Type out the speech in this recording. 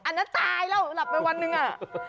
อันนั้นตายแล้วหลับไปวันหนึ่งอ่ะ